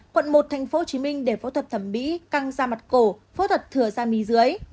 quận một tp hcm để phẫu thuật thẩm mỹ căng da mặt cổ phẫu thuật thừa da mì dưới